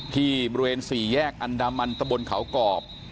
ที่บริเวณ๔แยกอันดามันตะบนเขากรอบ